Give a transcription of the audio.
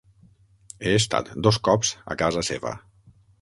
He estat dos cops a casa seva.